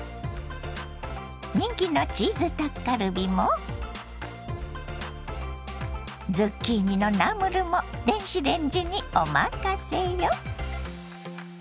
人気のチーズタッカルビもズッキーニのナムルも電子レンジにおまかせよ。